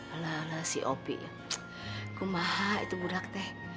alah alah si opi kumaha itu budak teh